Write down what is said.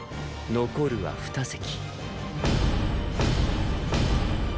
残るは一席。